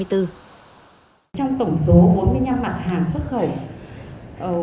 trong tổng số bốn mươi năm mặt hàng xuất khẩu